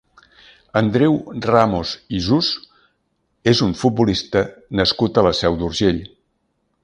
Andreu Ramos Isus és un futbolista nascut a la Seu d'Urgell.